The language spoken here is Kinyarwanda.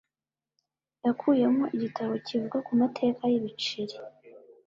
Yakuyemo igitabo kivuga ku mateka y'ibiceri